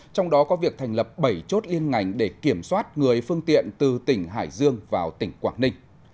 trong đó có việc thành lập bảy chốt liên ngành để kiểm soát người phương tiện từ tỉnh hải dương vào tỉnh quảng ninh